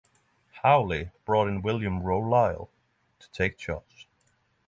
Howley brought in William Rowe Lyall to take charge.